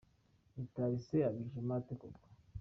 Mitari se abijemo ate koko ?.